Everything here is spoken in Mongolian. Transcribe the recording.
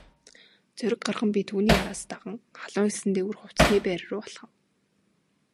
Зориг гарган би түүний араас даган халуун элсэн дээгүүр хувцасны байр руу алхав.